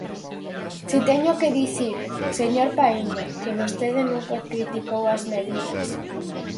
Si teño que dicir, señor Paíño, que vostede nunca criticou as medidas.